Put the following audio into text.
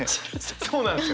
そうなんですよ！